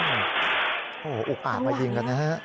โอ้โหอุกอาจมายิงกันนะฮะ